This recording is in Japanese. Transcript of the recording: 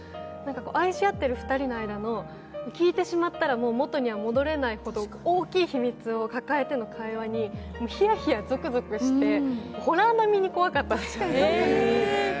愛し合ってる２人の間の聞いてしまったら元には戻れないほど大きい会話にひやひやゾクゾクしてホラー並みに怖かったです。